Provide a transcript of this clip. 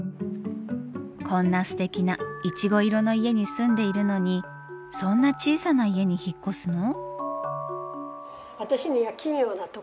こんなすてきないちご色の家に住んでいるのにそんな小さな家に引っ越すの？